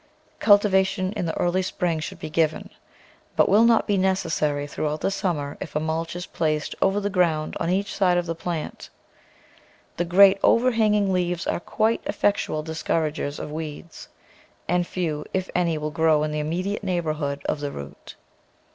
Cultivation in the early spring should be given, but will not be necessary throughout the summer if a mulch is placed over the ground on each side of the plant. The great overhanging leaves are quite effectual discouragers of weeds, and few, if any, THE VEGETABLE GARDEN will grow in the immediate neighbourhood of the root.